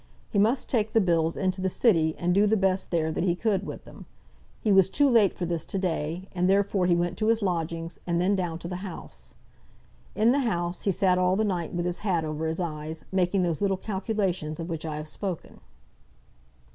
He must take the bills into the City, and do the best there that he could with them. He was too late for this to day, and therefore he went to his lodgings, and then down to the House. In the House he sat all the night with his hat over his eyes, making those little calculations of which I have spoken.